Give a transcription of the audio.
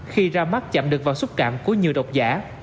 khi ra mắt chạm được vào xúc cảm của nhiều độc giả